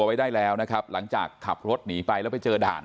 ไว้ได้แล้วนะครับหลังจากขับรถหนีไปแล้วไปเจอด่าน